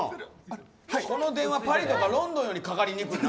この電話、パリとかロンドンよりかかりにくいな。